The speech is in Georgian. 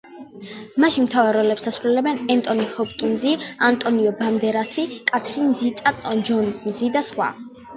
მასში მთავარ როლებს ასრულებენ: ენტონი ჰოპკინზი, ანტონიო ბანდერასი, კათრინ ზიტა-ჯონზი და სხვა.